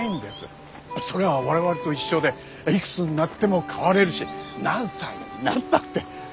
それは我々と一緒でいくつになっても変われるし何歳になったって。